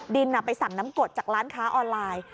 ไปสั่งน้ำกดจากร้านค้าออนไลน์